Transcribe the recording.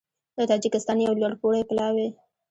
د تاجېکستان یو لوړپوړی پلاوی